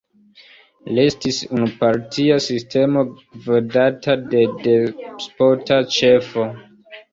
Restis unupartia sistemo gvidata de despota ĉefo.